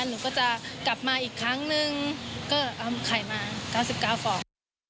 หนูก็จะกลับมาอีกครั้งนึงก็เอาไข่มา๙๙ฟอง